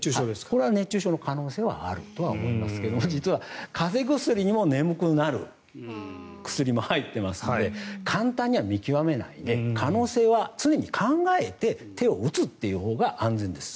これは熱中症の可能性があると思いますが実は風邪薬にも眠くなる薬も入っていますので簡単には見極めないで可能性は常に考えて手を打つというほうが安全です。